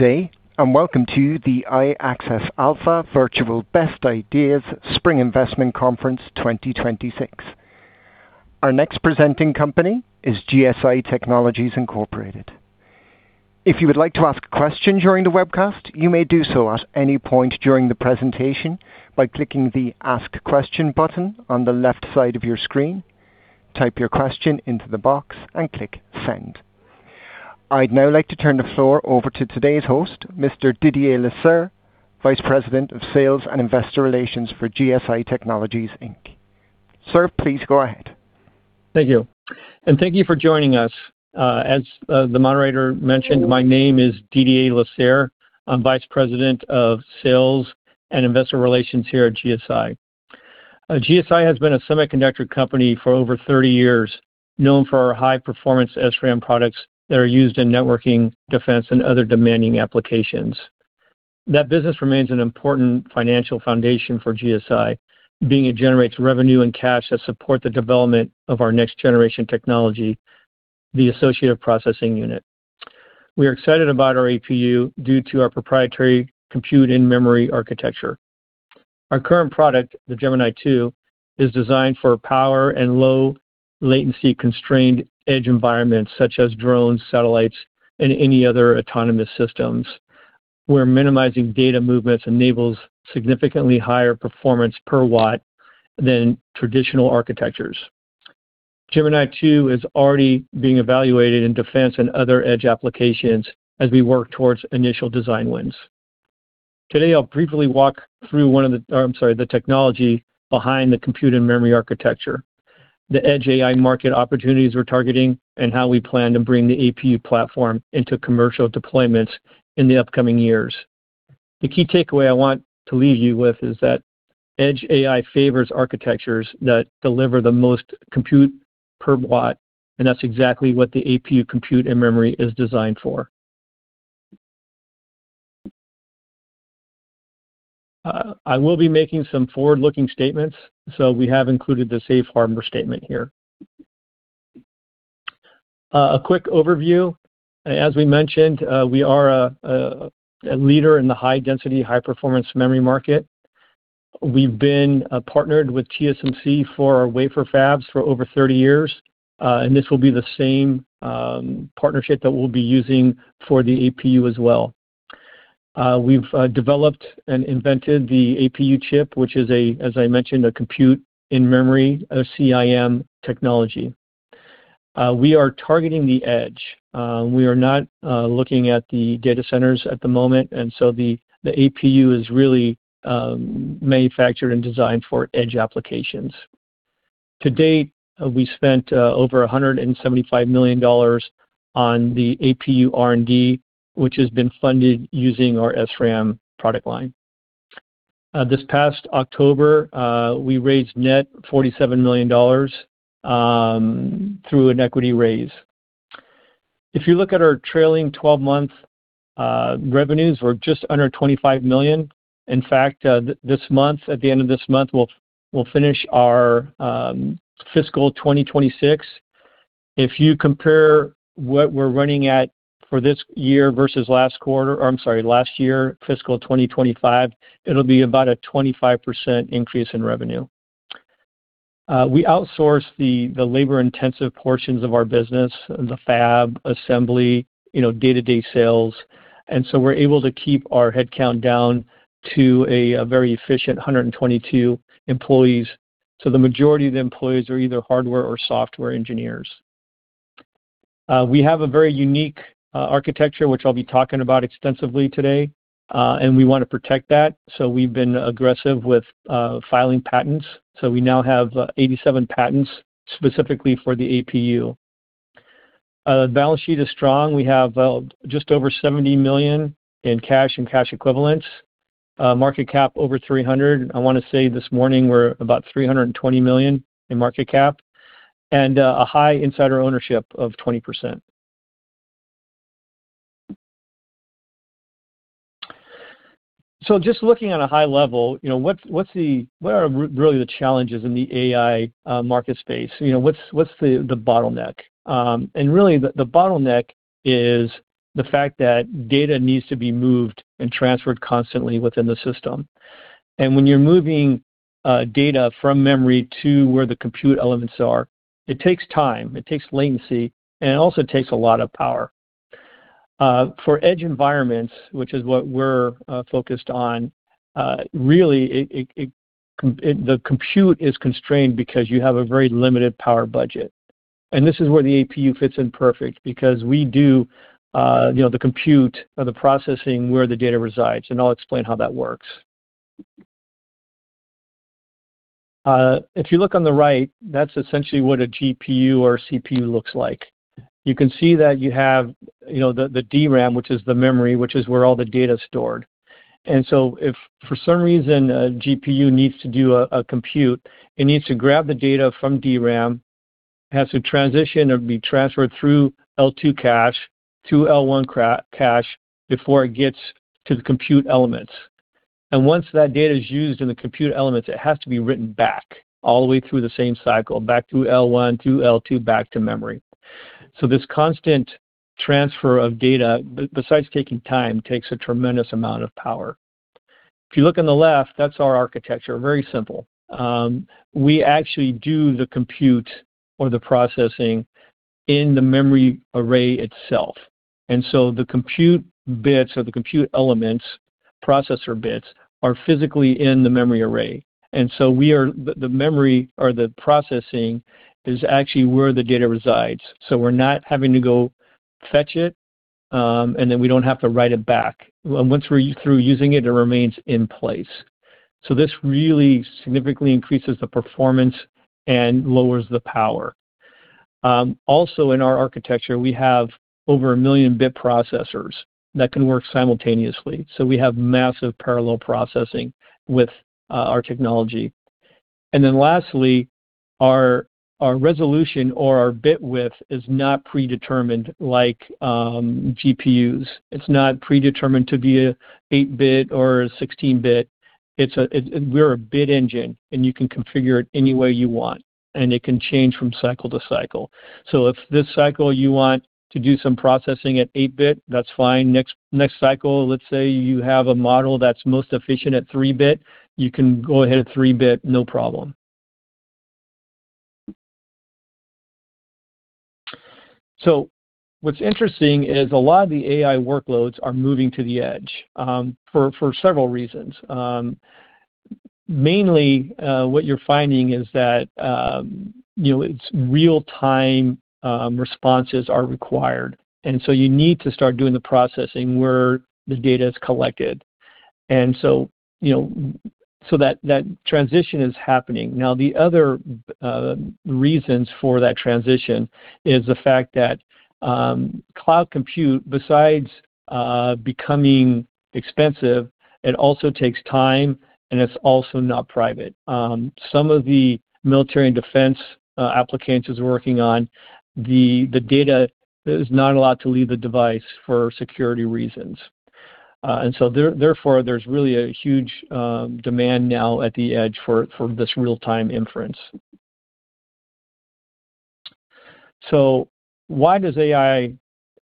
Good day and welcome to the iAccess Alpha Virtual Best Ideas Spring Investment Conference 2026. Our next presenting company is GSI Technology, Inc. If you would like to ask a question during the webcast, you may do so at any point during the presentation by clicking the Ask Question button on the left side of your screen, type your question into the box, and click Send. I'd now like to turn the floor over to today's host, Mr. Didier Lasserre, Vice President of Sales, and Investor Relations for GSI Technology, Inc. Sir, please go ahead. Thank you. Thank you for joining us. As the moderator mentioned, my name is Didier Lasserre. I'm Vice President of Sales and Investor Relations here at GSI. GSI has been a semiconductor company for over 30 years, known for our high-performance SRAM products that are used in networking, defense, and other demanding applications. That business remains an important financial foundation for GSI, being it generates revenue, and cash that support the development of our next-generation technology, the Associative Processing Unit. We are excited about our APU due to our proprietary compute, and memory architecture. Our current product, the Gemini-II, is designed for power and low latency-constrained edge environments such as drones, satellites, and any other autonomous systems, where minimizing data movements enables significantly higher performance per watt than traditional architectures. Gemini-II is already being evaluated in defense, and other edge applications as we work towards initial design wins. Today, I'll briefly walk through the technology behind the compute, and memory architecture, the edge AI market opportunities we're targeting, and how we plan to bring the APU platform into commercial deployments in the upcoming years. The key takeaway I want to leave you with is that edge AI favors architectures that deliver the most compute per watt, and that's exactly what the APU compute, and memory is designed for. I will be making some forward-looking statements, so we have included the safe harbor statement here. A quick overview. As we mentioned, we are a leader in the high-density, high-performance memory market. We've been partnered with TSMC for our wafer fabs for over 30 years, and this will be the same partnership that we'll be using for the APU as well. We've developed, and invented the APU chip, which is, as I mentioned, a compute in memory, a CIM technology. We are targeting the edge. We are not looking at the data centers at the moment, and so the APU is really manufactured, and designed for edge applications. To date, we spent over $175 million on the APU R&D, which has been funded using our SRAM product line. This past October, we raised net $47 million through an equity raise. If you look at our trailing twelve-month revenues, we're just under $25 million. In fact, this month, at the end of this month, we'll finish our fiscal 2026. If you compare what we're running at for this year versus last quarter or, I'm sorry, last year, fiscal 2025, it'll be about a 25% increase in revenue. We outsource the labor-intensive portions of our business, the fab, assembly, you know, day-to-day sales, and so we're able to keep our headcount down to a very efficient 122 employees. The majority of the employees are either hardware or software engineers. We have a very unique architecture, which I'll be talking about extensively today, and we wanna protect that. We've been aggressive with filing patents. We now have 87 patents specifically for the APU. Our balance sheet is strong. We have just over $70 million in cash and cash equivalents. Market cap over $300 million. I want to say this morning we're about $320 million in market cap. A high insider ownership of 20%. Just looking at a high level, you know, what are really the challenges in the AI market space? You know, what's the bottleneck? Really, the bottleneck is the fact that data needs to be moved and transferred constantly within the system. When you're moving data from memory to where the compute elements are, it takes time, it takes latency, and it also takes a lot of power. For edge environments, which is what we're focused on, really the compute is constrained because you have a very limited power budget. This is where the APU fits in perfect because we do, you know, the compute or the processing where the data resides, and I'll explain how that works. If you look on the right, that's essentially what a GPU or CPU looks like. You can see that you have, you know, the DRAM, which is the memory, which is where all the data is stored. If for some reason a GPU needs to do a compute, it needs to grab the data from DRAM, has to transition or be transferred through L2 cache to L1 cache before it gets to the compute elements. Once that data is used in the compute elements, it has to be written back all the way through the same cycle, back through L1, through L2, back to memory. This constant transfer of data, besides taking time, takes a tremendous amount of power. If you look on the left, that's our architecture. Very simple. We actually do the compute or the processing in the memory array itself. The compute bits or the compute elements, processor bits, are physically in the memory array. The memory or the processing is actually where the data resides. We're not having to go fetch it, and then we don't have to write it back. Once we're through using it remains in place. This really significantly increases the performance and lowers the power. Also in our architecture, we have over 1 million bit processors that can work simultaneously. We have massive parallel processing with our technology. Lastly, our resolution or our bit width is not predetermined like GPUs. It's not predetermined to be a 8-bit or a 16-bit. We're a bit engine, and you can configure it any way you want, and it can change from cycle to cycle. If this cycle you want to do some processing at 8-bit, that's fine. Next cycle, let's say you have a model that's most efficient at 3-bit, you can go ahead at 3-bit, no problem. What's interesting is a lot of the AI workloads are moving to the edge, for several reasons. Mainly, what you're finding is that, you know, it's real-time responses are required, and you need to start doing the processing where the data is collected. You know, that transition is happening. Now, the other reasons for that transition are the fact that, cloud computing, besides becoming expensive, it also takes time, and it's also not private. Some of the military and defense applications where the data is not allowed to leave the device for security reasons. Therefore, there's really a huge demand now at the edge for this real-time inference. Why does AI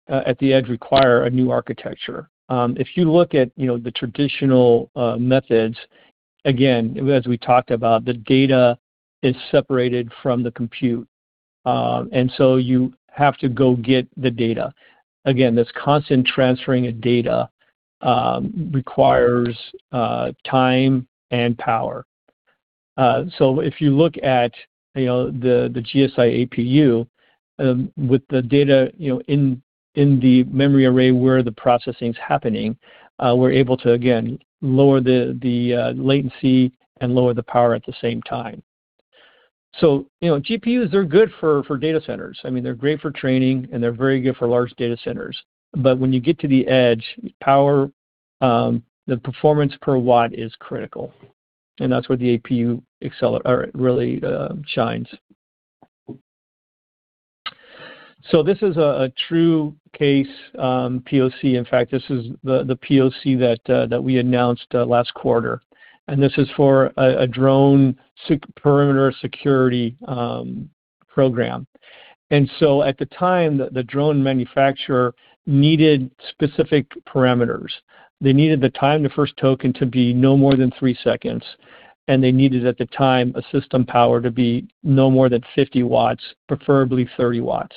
at the edge require a new architecture? If you look at you know the traditional methods, again, as we talked about, the data is separated from the compute, and so you have to go get the data. Again, this constant transferring of data requires time and power. If you look at you know the GSI APU with the data you know in the memory array where the processing is happening, we're able to again lower the latency and lower the power at the same time. You know, GPUs, they're good for data centers. I mean, they're great for training, and they're very good for large data centers. When you get to the edge, power, the performance per watt is critical, and that's where the APU or really shines. This is a true case POC. In fact, this is the POC that we announced last quarter. This is for a drone perimeter security program. At the time, the drone manufacturer needed specific parameters. They needed the time to first token to be no more than three seconds, and they needed, at the time, a system power to be no more than 50 watts, preferably 30 watts.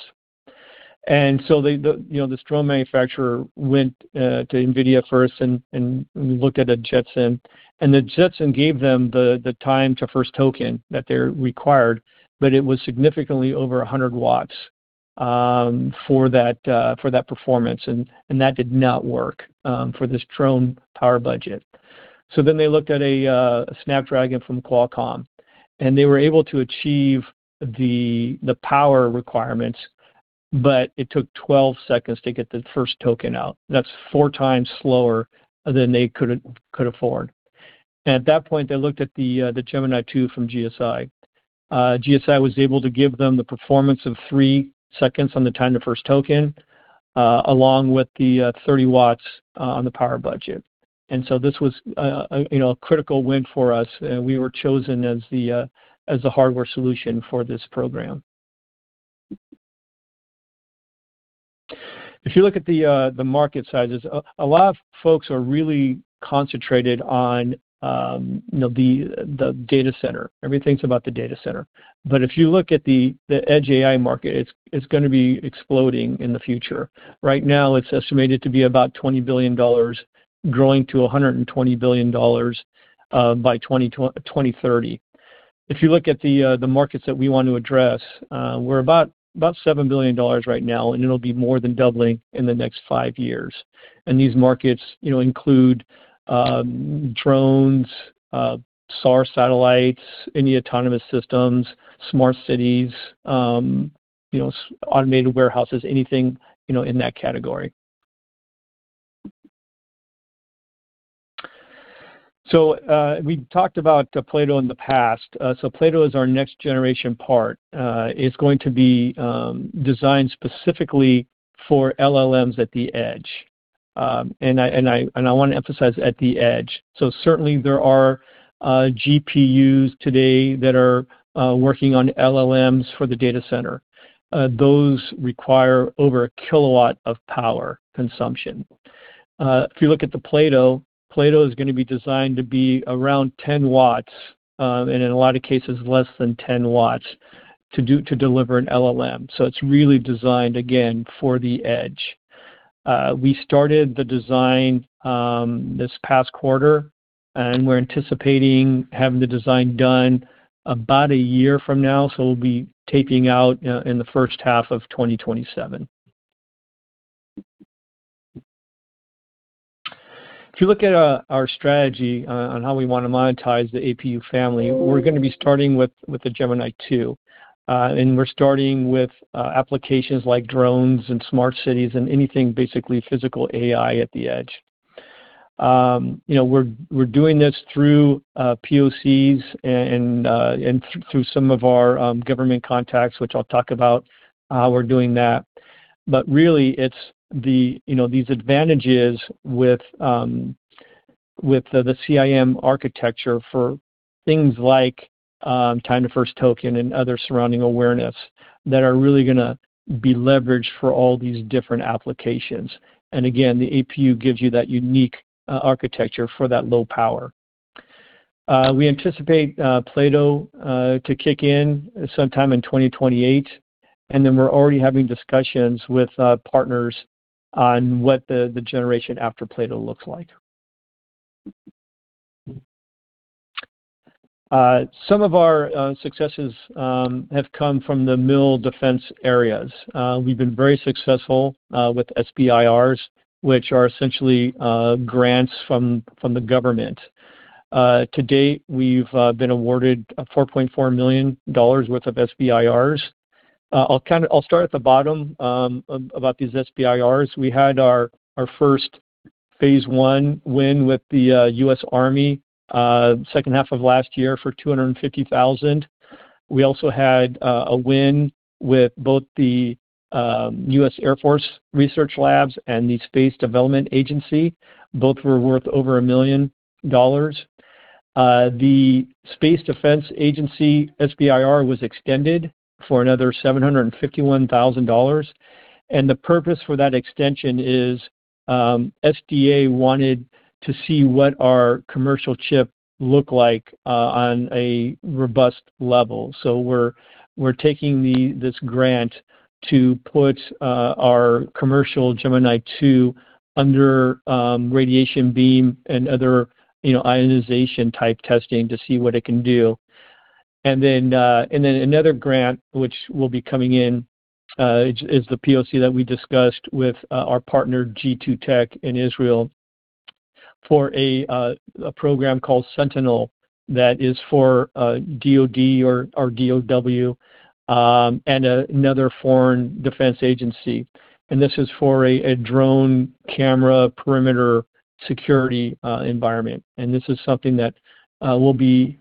The, you know, this drone manufacturer went to NVIDIA first, and looked at a Jetson, and the Jetson gave them the time to first token that they required, but it was significantly over 100 W for that performance, and that did not work for this drone power budget. They looked at a Snapdragon from Qualcomm, and they were able to achieve the power requirements, but it took 12 seconds to get the first token out. That's four times slower than they could afford. At that point, they looked at the Gemini 2 from GSI. GSI was able to give them the performance of three seconds on the time to first token, along with the 30 W on the power budget. This was, you know, a critical win for us, and we were chosen as the hardware solution for this program. If you look at the market sizes, a lot of folks are really concentrated on, you know, the data center. Everything's about the data center. If you look at the edge AI market, it's gonna be exploding in the future. Right now, it's estimated to be about $20 billion growing to $120 billion by 2030. If you look at the markets that we want to address, we're about $7 billion right now, and it'll be more than doubling in the next five years. These markets, you know, include drones, SAR satellites, any autonomous systems, smart cities, you know, automated warehouses, anything, you know, in that category. We talked about Plato in the past. Plato is our next generation part. It's going to be designed specifically for LLMs at the edge. And I want to emphasize at the edge. Certainly there are GPUs today that are working on LLMs for the data center. Those require over 1 kilowatt of power consumption. If you look at the Plato is gonna be designed to be around 10 watts, and in a lot of cases less than 10 watts to deliver an LLM. It's really designed, again, for the edge. We started the design this past quarter, and we're anticipating having the design done about a year from now, so we'll be taping out in the first half of 2027. If you look at our strategy on how we wanna monetize the APU family, we're gonna be starting with the Gemini two, and we're starting with applications like drones and smart cities, and anything basically physical AI at the edge. You know, we're doing this through POCs and through some of our government contacts, which I'll talk about how we're doing that. Really, it's the you know these advantages with the CIM architecture for things like time to first token and other surrounding awareness that are really gonna be leveraged for all these different applications. The APU gives you that unique architecture for that low power. We anticipate Plato to kick in sometime in 2028, then we're already having discussions with partners on what the generation after Plato looks like. Some of our successes have come from the mil defense areas. We've been very successful with SBIRs, which are essentially grants from the government. To date, we've been awarded $4.4 million worth of SBIRs. I'll start at the bottom about these SBIRs. We had our first phase I win with the U.S. Army second half of last year for $250,000. We also had a win with both the U.S. Air Force Research Laboratory and the Space Development Agency. Both were worth over $1 million. The Space Development Agency SBIR was extended for another $751,000. The purpose for that extension is SDA wanted to see what our commercial chip looked like on a robust level. We're taking this grant to put our commercial Gemini-II under radiation beam and other, you know, ionization type testing to see what it can do. Another grant which will be coming in is the POC that we discussed with our partner G2 Tech in Israel for a program called Sentinel that is for DoD and another foreign defense agency. This is for a drone camera perimeter security environment. This is something that we'll be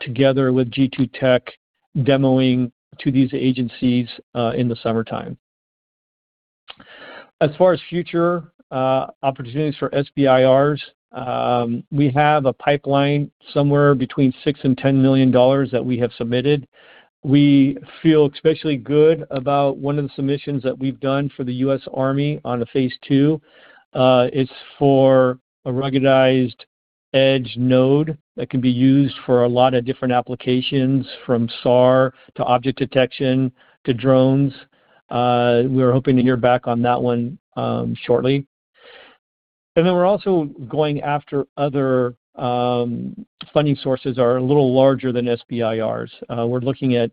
together with G2 Tech demoing to these agencies in the summertime. As far as future opportunities for SBIRs, we have a pipeline somewhere between $6-$10 million that we have submitted. We feel especially good about one of the submissions that we've done for the U.S. Army on a phase II. It's for a ruggedized edge node that can be used for a lot of different applications from SAR to object detection to drones. We're hoping to hear back on that one shortly. Then we're also going after other funding sources are a little larger than SBIRs. We're looking at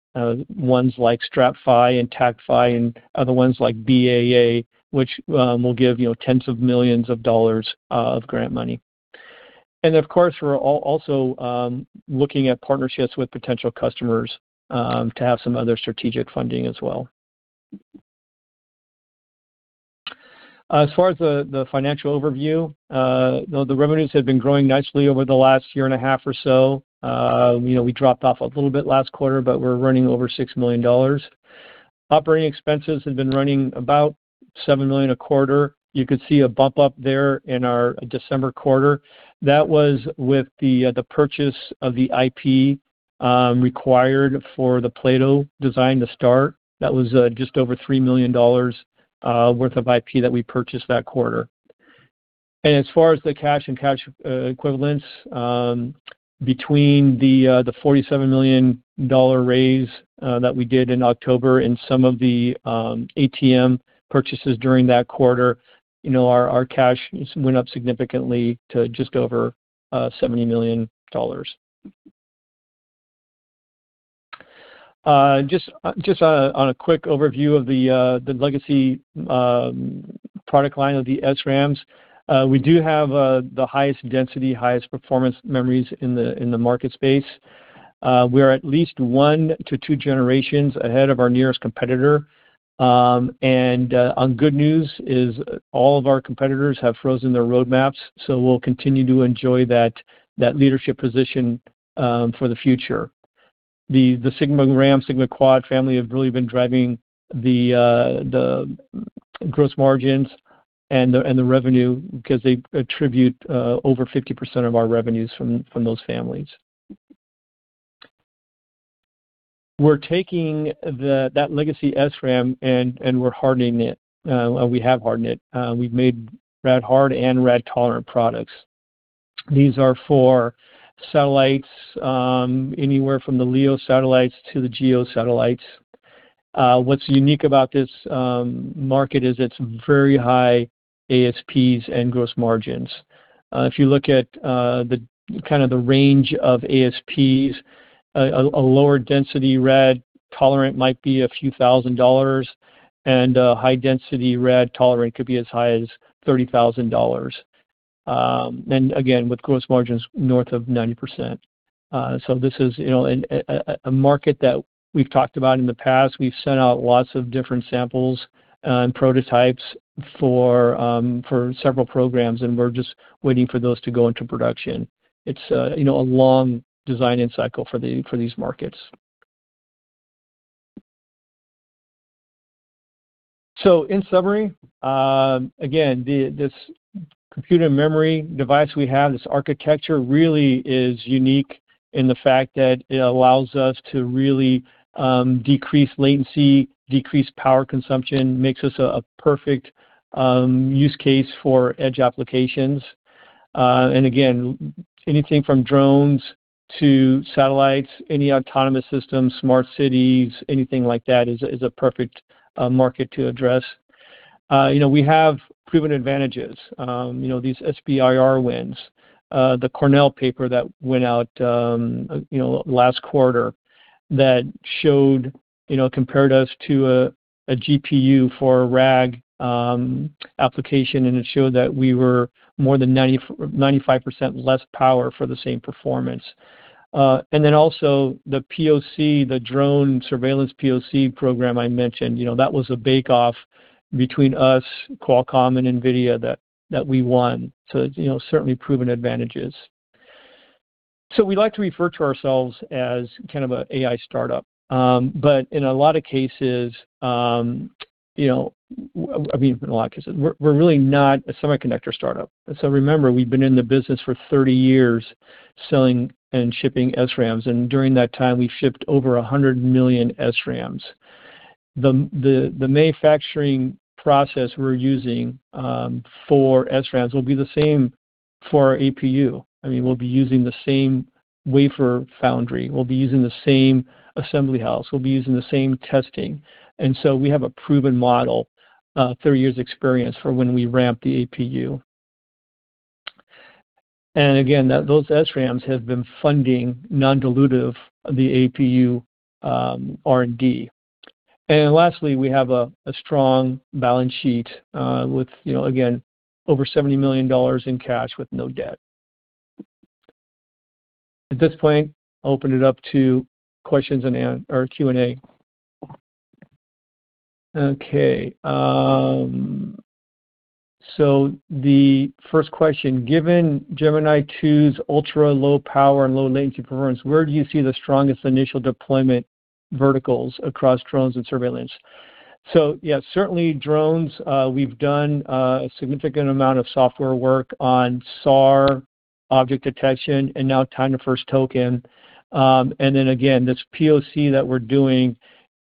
ones like STRATFI and TACFI and other ones like BAA, which will give, you know, tens of millions of dollars of grant money. Of course, we're also looking at partnerships with potential customers to have some other strategic funding as well. As far as the financial overview, the revenues have been growing nicely over the last year and a half or so. You know, we dropped off a little bit last quarter, but we're running over $6 million. Operating expenses have been running about $7 million a quarter. You could see a bump up there in our December quarter. That was with the purchase of the IP required for the Plato design to start. That was just over $3 million worth of IP that we purchased that quarter. As far as the cash and cash equivalents, between the $47 million raise that we did in October and some of the ATM purchases during that quarter, you know, our cash went up significantly to just over $70 million. Just on a quick overview of the legacy product line of the SRAMs, we do have the highest density, highest performance memories in the market space. We are at least one to two generations ahead of our nearest competitor. One good news is all of our competitors have frozen their roadmaps, so we'll continue to enjoy that leadership position for the future. The SigmaRAM, SigmaQuad family have really been driving the gross margins, and the revenue because they account for over 50% of our revenues from those families. We're taking that legacy SRAM, and we're hardening it. We have hardened it. We've made rad-hard and rad-tolerant products. These are for satellites, anywhere from the LEO satellites to the GEO satellites. What's unique about this market is its very high ASPs and gross margins. If you look at the range of ASPs, a lower density rad-tolerant might be a few thousand dollars, and a high density rad-tolerant could be as high as $30,000. And again, with gross margins north of 90%. This is, you know, a market that we've talked about in the past. We've sent out lots of different samples, and prototypes for several programs, and we're just waiting for those to go into production. It's a long design cycle for these markets. In summary, again, this computer memory device we have, this architecture really is unique in the fact that it allows us to really decrease latency, decrease power consumption, makes this a perfect use case for edge applications. Anything from drones to satellites, any autonomous systems, smart cities, anything like that is a perfect market to address. You know, we have proven advantages, you know, these SBIR wins. The Cornell paper that went out, you know, last quarter that showed, you know, compared us to a GPU for a RAG application, and it showed that we were more than 99.5% less power for the same performance. The POC, the drone surveillance POC program I mentioned, you know, that was a bake off between us, Qualcomm, and NVIDIA that we won. You know, certainly proven advantages. We like to refer to ourselves as kind of an AI startup. In a lot of cases, you know, I mean, in a lot of cases, we're really not a semiconductor startup. Remember, we've been in the business for 30 years selling and shipping SRAMs, and during that time, we've shipped over 100 million SRAMs. The manufacturing process we're using for SRAMs will be the same for our APU. I mean, we'll be using the same wafer foundry. We'll be using the same assembly house. We'll be using the same testing. We have a proven model, 30 years experience for when we ramp the APU. Those SRAMs have been funding non-dilutive the APU R&D. We have a strong balance sheet, with, you know, again, over $70 million in cash with no debt. At this point, open it up to questions or Q&A. Okay, so the first question. Given Gemini Two's ultra-low power and low latency performance, where do you see the strongest initial deployment verticals across drones and surveillance? So yeah, certainly drones, we've done a significant amount of software work on SAR object detection and now time to first token. And then again, this POC that we're doing,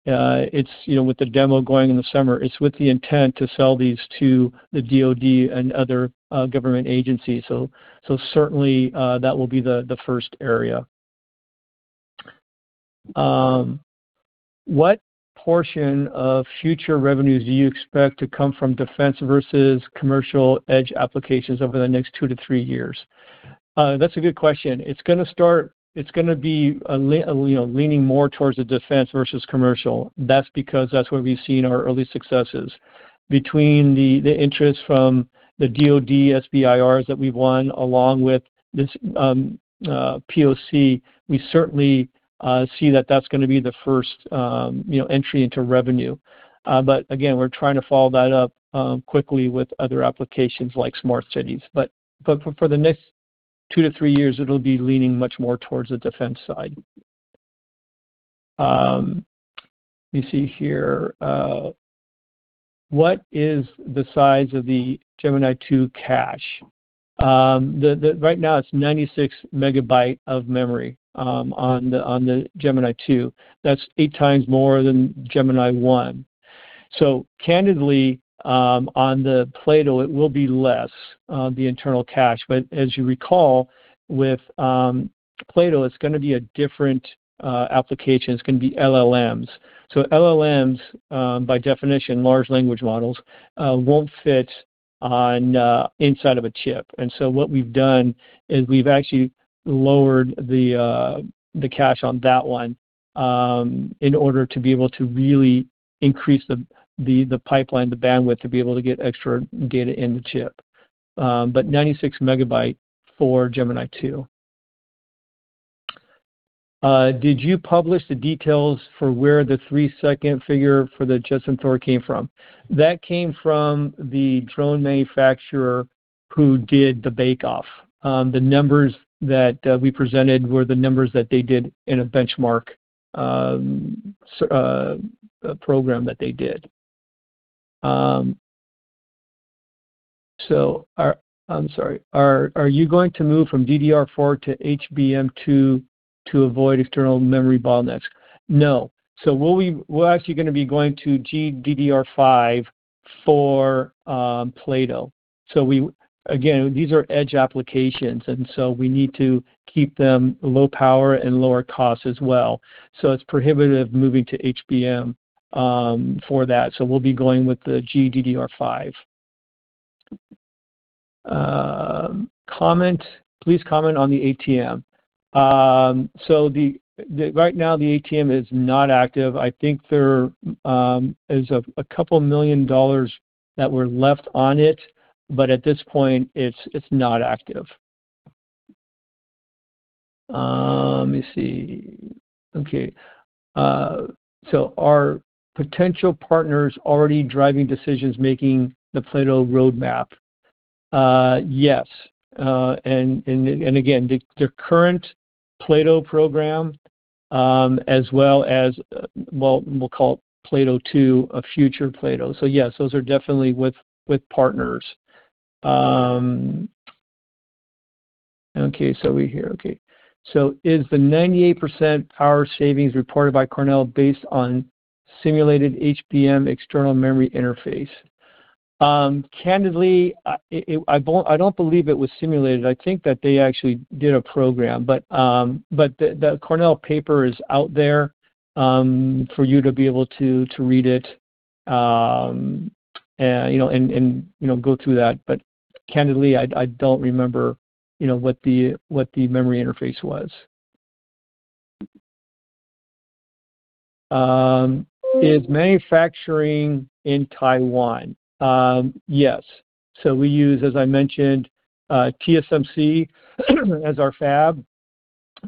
it's, you know, with the demo going in the summer, it's with the intent to sell these to the DoD and other government agencies. So certainly, that will be the first area. What portion of future revenues do you expect to come from defense versus commercial edge applications over the next two to three years? That's a good question. It's gonna be a little, you know, leaning more towards the defense versus commercial. That's because that's where we've seen our early successes. Between the interest from the DoD SBIRs that we've won, along with this POC, we certainly see that that's gonna be the first, you know, entry into revenue. Again, we're trying to follow that up quickly with other applications like smart cities. For the next two to three years, it'll be leaning much more towards the defense side. Let me see here. What is the size of the Gemini-II cache? Right now it's 96 MB of memory on the Gemini Two. That's eight times more than Gemini-I. Candidly, on the Plato it will be less, the internal cache. As you recall, with Plato it's gonna be a different application. It's gonna be LLMs. LLMs, by definition, large language models, won't fit inside of a chip. What we've done is we've actually lowered the cache on that one in order to be able to really increase the pipeline, the bandwidth to be able to get extra data in the chip. 96 MB for Gemini Two. Did you publish the details for where the three-second figure for the Jetson Thor came from? That came from the drone manufacturer who did the bake off. The numbers that we presented were the numbers that they did in a benchmark program that they did. I'm sorry. Are you going to move from DDR4 to HBM2 to avoid external memory bottlenecks? No. We're actually gonna be going to GDDR5 for Plato. Again, these are edge applications, and so we need to keep them low power and lower cost as well. It's prohibitive moving to HBM for that. We'll be going with the GDDR5. Comment. Please comment on the ATM. Right now, the ATM is not active. I think there is $2 million that were left on it, but at this point it's not active. Let me see. Okay. Are potential partners already driving decisions making the Plato roadmap? Yes. And again, the current Plato program, as well as, well, we'll call it Plato 2, a future Plato. Yes, those are definitely with partners. Is the 98% power savings reported by Cornell based on simulated HBM external memory interface? Candidly, I don't believe it was simulated. I think that they actually did a program, but the Cornell paper is out there for you to be able to read it, you know, and you know, go through that. But candidly, I don't remember, you know, what the memory interface was. Is manufacturing in Taiwan? Yes. We use, as I mentioned, TSMC as our fab.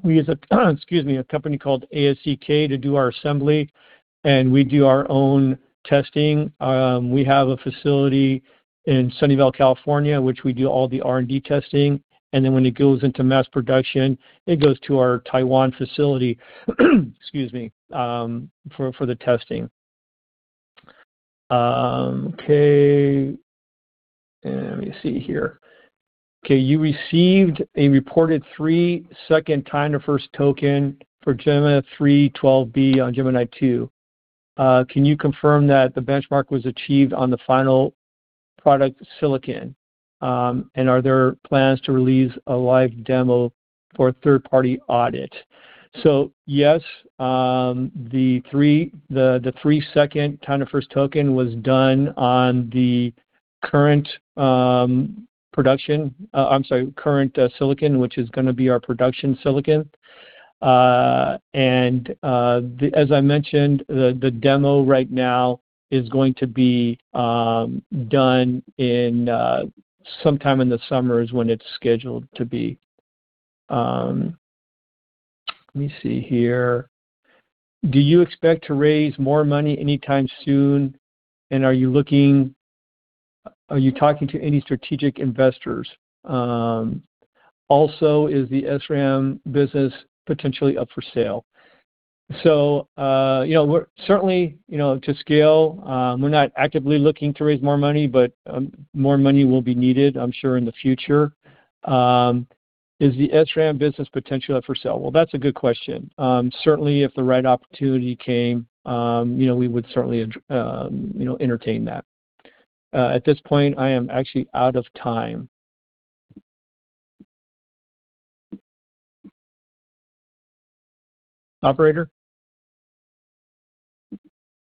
We use, excuse me, a company called ASE to do our assembly, and we do our own testing. We have a facility in Sunnyvale, California, which we do all the R&D testing, and then when it goes into mass production, it goes to our Taiwan facility, excuse me, for the testing. You received a reported three-second time to first token for Gemma 3 12B on Gemini-II. Can you confirm that the benchmark was achieved on the final product silicon? And are there plans to release a live demo for third-party audit? Yes, the three-second time to first token was done on the current silicon, which is gonna be our production silicon. And, as I mentioned, the demo right now is going to be done sometime in the summer is when it's scheduled to be. Let me see here. Do you expect to raise more money anytime soon, and are you looking, are you talking to any strategic investors? Also, is the SRAM business potentially up for sale? You know, we're certainly, you know, to scale, we're not actively looking to raise more money, but more money will be needed, I'm sure, in the future. Is the SRAM business potentially up for sale? Well, that's a good question. Certainly, if the right opportunity came, you know, we would certainly, you know, entertain that. At this point I am actually out of time. Operator?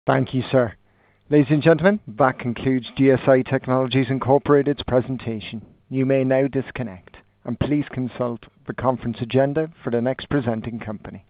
Thank you, sir. Ladies and gentlemen, that concludes GSI Technology, Inc.'s presentation. You may now disconnect and please consult the conference agenda for the next presenting company.